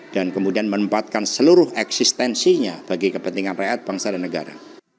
dan kemudian menempatkan seluruh eksistensinya bagi kepentingan rakyat bangsa dan negara